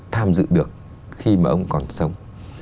tham dự được khi mà ông còn sống